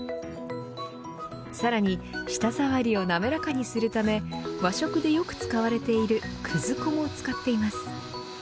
さらに舌触りを滑らかにするために和食でよく使われているくず粉も使っています。